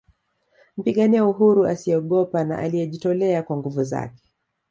Mpigania uhuru asiyeogopa na aliyejitolea kwa nguvu zake